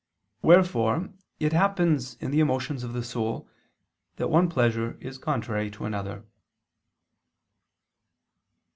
Wherefore it happens in the emotions of the soul that one pleasure is contrary to another.